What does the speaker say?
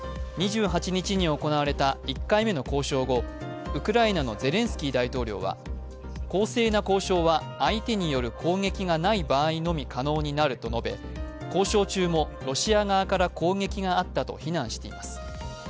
２８日に行われた１回目の交渉後、ウクライナのゼレンスキー大統領は公正な交渉は相手による攻撃がない場合のみ可能になると述べ交渉中もロシア側から攻撃があったと非難しています。